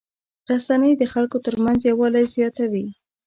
رسنۍ د خلکو ترمنځ یووالی زیاتوي.